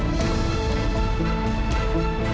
dewi bisa jelasin tante